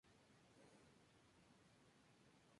Donde además presentó el estreno asiático de dicho concierto.